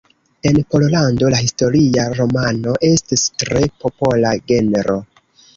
En Pollando la historia romano estis tre popola genro.